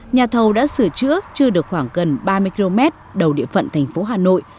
nhà thầu đã sửa chữa chưa được khoảng gần ba mươi km đầu địa phận thành phố hà nội